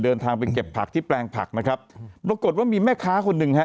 เดินทางไปเก็บผักที่แปลงผักนะครับปรากฏว่ามีแม่ค้าคนหนึ่งฮะ